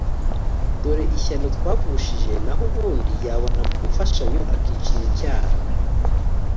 dore ishyano twagushije naho ubundi yabona imfashanyo akicinya icyara